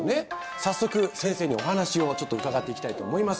早速先生にお話をちょっと伺っていきたいと思います